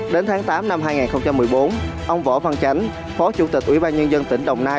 đến tháng tám năm hai nghìn một mươi bốn ông võ văn chánh phó chủ tịch ủy ban nhân dân tỉnh đồng nai